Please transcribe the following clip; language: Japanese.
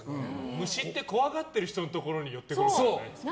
虫って怖がってる人のところに寄ってくるからね。